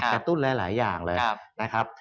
ตุ้นหลายอย่างเลยนะครับ